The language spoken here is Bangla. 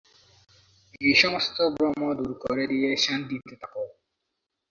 এই সমস্ত ভ্রম দূর করে দিয়ে শান্তিতে থাক।